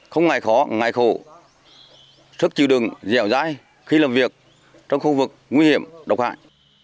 không ngại khó ngại khổ sức chịu đựng dẻo dai khi làm việc trong khu vực nguy hiểm độc hại